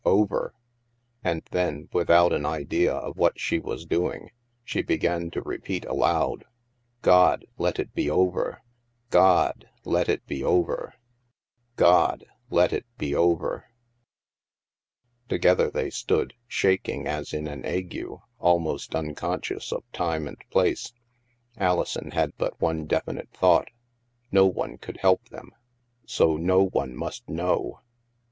Over.'' And then, without an idea of what she was doing, she began to repeat aloud, " God, let it be over ! God, let it be over ! God, let it be over !" Together they stood, shaking as in an ague, al most unconscious of time and place. Alison had but one definite thought; no one could help them, so no one must know!